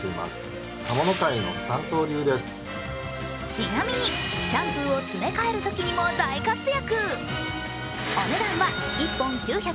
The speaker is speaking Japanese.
ちなみにシャンプーを詰め替えるときにも大活躍。